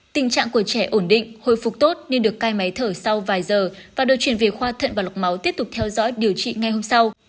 tình trạng của trẻ ổn định hồi phục tốt nên được cai máy thở sau vài giờ và được chuyển về khoa thận và lọc máu tiếp tục theo dõi điều trị ngay hôm sau